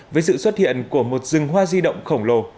với sự xuất hiện của một rừng hoa di động khổng lồ